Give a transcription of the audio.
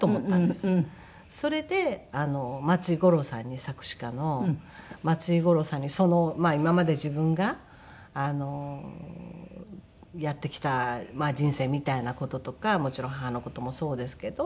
それで松井五郎さんに作詞家の松井五郎さんに今まで自分がやってきた人生みたいな事とかもちろん母の事もそうですけど。